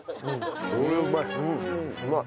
これうまい！